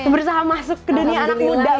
berusaha masuk ke dunia anak muda ya